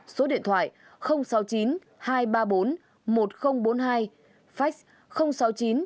số điện thoại sáu mươi chín hai trăm ba mươi bốn một nghìn bốn mươi hai fax sáu mươi chín hai trăm ba mươi bốn một nghìn bốn mươi bốn